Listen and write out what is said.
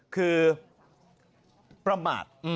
คือประมาท